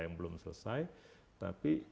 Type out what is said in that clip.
yang belum selesai tapi